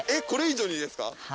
これ以上にですか？